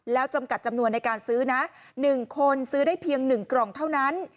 แล้วจำกัดจำนวนในการซื้อนะ๑คนซื้อได้เพียง๑กล่องเท่านั้น